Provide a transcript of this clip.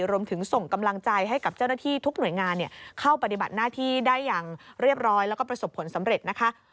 ส่งกำลังใจให้กับเจ้าหน้าที่ทุกหน่วยงานเข้าปฏิบัติหน้าที่ได้อย่างเรียบร้อยแล้วก็ประสบผลสำเร็จนะคะ